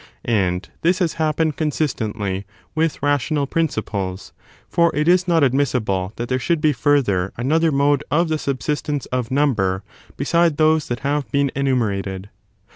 And this has happened con sistently with rational principles, for it \a not admissible that there should be further another mode of the subsistence of number beside those that have been enumerated.